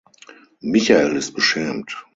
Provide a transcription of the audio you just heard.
Michael ist beschämt.